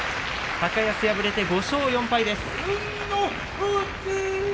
高安、敗れて５勝４敗です。